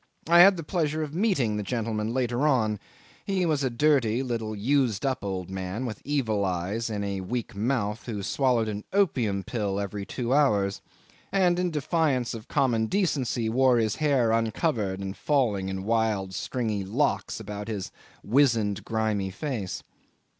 I had the pleasure of meeting the gentleman later on. He was a dirty, little, used up old man with evil eyes and a weak mouth, who swallowed an opium pill every two hours, and in defiance of common decency wore his hair uncovered and falling in wild stringy locks about his wizened grimy face.